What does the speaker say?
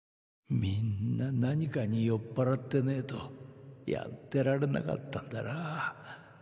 みんな何かに酔っ払ってねぇとやってられなかったんだな。